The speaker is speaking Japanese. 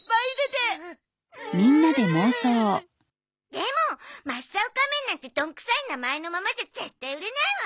でも『マッサオかめん』なんてどんくさい名前のままじゃ絶対売れないわ！